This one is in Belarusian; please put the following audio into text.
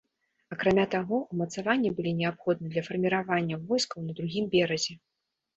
Акрамя таго, умацаванні былі неабходны для фарміравання войскаў на другім беразе.